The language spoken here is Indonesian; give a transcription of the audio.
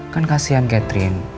kan kasihan catherine